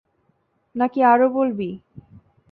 নাকি আরো বলবি?